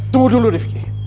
tunggu dulu riffky